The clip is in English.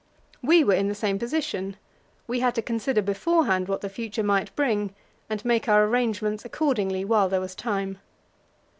We were in the same position; we had to consider beforehand what the future might bring, and make our arrangements accordingly while there was time.